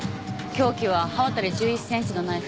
凶器は刃渡り１１センチのナイフ。